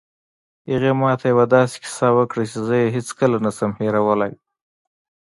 هغې ما ته یوه داسې کیسه وکړه چې زه یې هېڅکله نه شم هیرولی